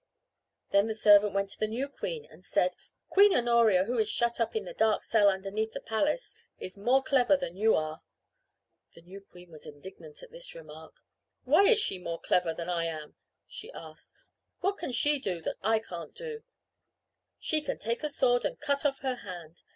Then the servant went to the new queen and said: "Queen Honoria who is shut up in the dark cell underneath the palace is more clever than you are." The new queen was indignant at this remark. "Why is she more clever than I am?" she asked. "What can she do that I can't do?" "She can take a sword and cut off her hand.